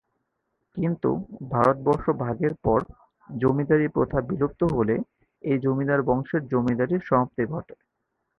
কিন্তু ভারতবর্ষ ভাগের পর জমিদারী প্রথা বিলুপ্ত হলে এই জমিদার বংশের জমিদারীর সমাপ্তি ঘটে।